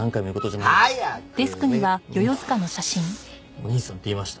お義兄さんって言いました。